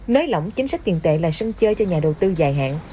nới lỏng chính sách tiền tệ là sân chơi cho nhà đầu tư dài hạn